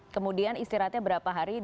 kemudian istirahatnya berapa hari